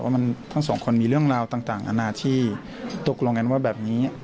ทั้งสองคนมีเรื่องราวต่างอาณาที่ตกลงกันว่าแบบนี้